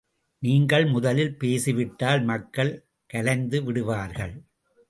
நீங்கள் முதலில் பேசிவிட்டால் மக்கள் கலைந்து விடுவார்கள்.